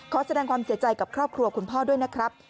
ขอแสดงความเสียใจกับครอบครัวคุณพ่อด้วยนะครับ